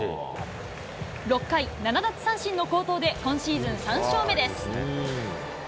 ６回、７奪三振の好投で、今シーズン３勝目です。